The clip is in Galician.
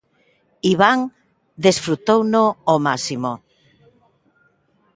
Iván desfrutouno ao máximo.